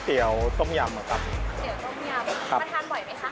ก๋วยเตี๋ยวต้มยำมาทานบ่อยไหมคะ